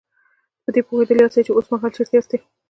په دې به پوهېدلي ياستئ چې اوسمهال چېرته ياستئ.